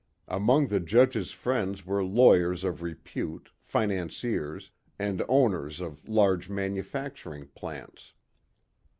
Among the judge's friends were lawyers of repute, financiers, and owners of large manufacturing plants.